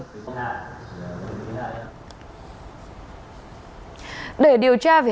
để điều tra về hành vi sử dụng facebook của hiếu